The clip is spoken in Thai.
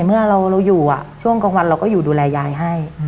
เมื่อเราอยู่ช่วงกลางวันเราก็อยู่ดูแลยายให้